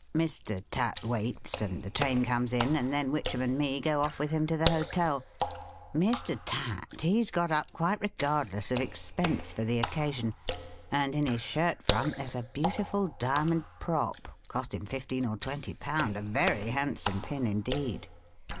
Mr. Tatt waits, and the train comes in, and then Witchem and me go oif with him to the Hotel. Mr .Tatt he's got up quite regardless of expense, for the occasion ; and hi his shirt front there 's a beautiful diamond prop, cost him fifteen or twenty pound — a very handsome pin indeed.